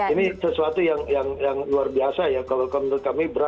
ini sesuatu yang luar biasa ya kalau menurut kami